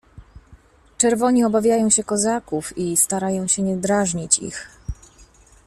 "Czerwoni obawiają się kozaków i starają się nie drażnić ich."